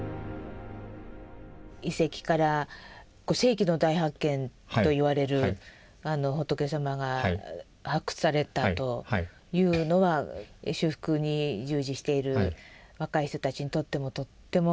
遺跡から世紀の大発見といわれる仏様が発掘されたというのは修復に従事している若い人たちにとってもとっても意味があったことでしょう。